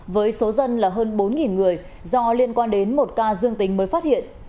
với số dân là hơn bốn người do liên quan đến một ca dương tính mới phát hiện